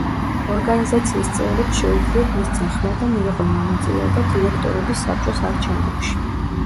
ორგანიზაციის წევრებს შეუძლიათ მისცენ ხმა და მიიღონ მონაწილეობა დირექტორების საბჭოს არჩევნებში.